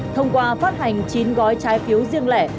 thông qua phát hành chín gói trái phiếu riêng lẻ